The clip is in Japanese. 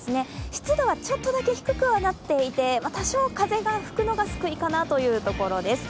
湿度はちょっとだけ低くはなっていて多少風が吹くのが救いかなというところです。